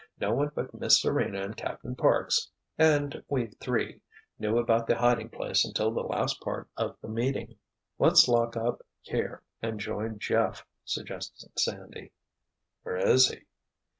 "No one but Miss Serena and Captain Parks—and we three—knew about the hiding place until the last part of the meeting." "Let's lock up, here, and join Jeff," suggested Sandy. "Where is he?"